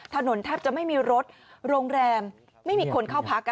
แทบจะไม่มีรถโรงแรมไม่มีคนเข้าพัก